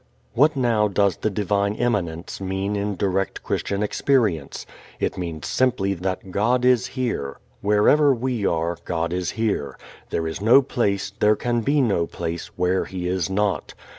What now does the divine immanence mean in direct Christian experience? It means simply that God is here. Wherever we are, God is here. There is no place, there can be no place, where He is not.